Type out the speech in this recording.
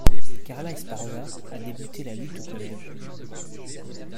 Carla Esparza a débuté la lutte au collège.